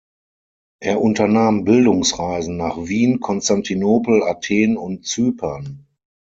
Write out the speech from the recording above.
Er unternahm Bildungsreisen nach Wien, Konstantinopel, Athen und Zypern.